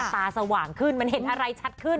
สว่างขึ้นมันเห็นอะไรชัดขึ้น